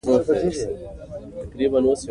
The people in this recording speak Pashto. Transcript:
چار مغز د افغانستان د بشري فرهنګ برخه ده.